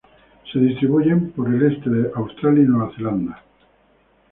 Se distribuyen por el este de Australia y Nueva Zelanda.